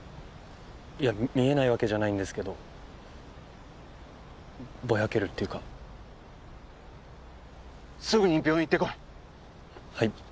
いや見えないわけじゃないんですけどぼやけるっていうかすぐに病院行ってこい！